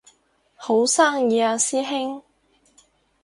好生意啊師兄